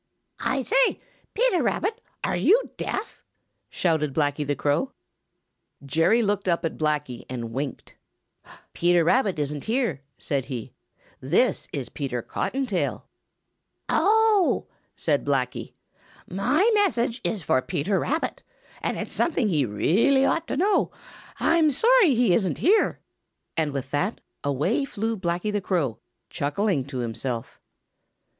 "I say, Peter Rabbit, are you deaf?" shouted Blacky the Crow. Jerry Muskrat looked up at Blacky and winked. "Peter Rabbit isn't here," said he. "This is Peter Cottontail." [Illustration: 0030] "Oh!" said Blacky. "My message is for Peter Rabbit, and it's something he really ought to know. I'm sorry he isn't here." And with that, away flew Blacky the Crow, chuckling to himself.